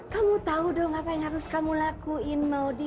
kamu tahu dong apa yang harus kamu lakuin